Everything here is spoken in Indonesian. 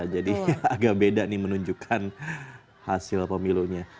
jadi agak beda nih menunjukkan hasil pemilunya